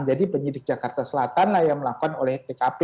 jadi penyidik jakarta selatan lah yang melakukan oleh tkp